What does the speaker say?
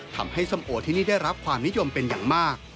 ส้มโอที่นี่ได้รับความนิยมเป็นอย่างมาก